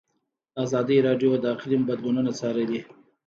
ازادي راډیو د اقلیم بدلونونه څارلي.